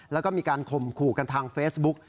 แล้วก็มีการข่มขู่กันทางเฟซบุ๊ก